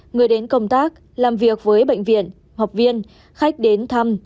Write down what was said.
người đến công tác làm việc với bệnh viện học viên khách đến thăm